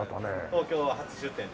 東京は初出店で。